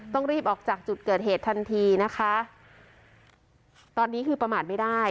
ต้องรีบออกจากจุดเกิดเหตุทันทีนะคะตอนนี้คือประมาทไม่ได้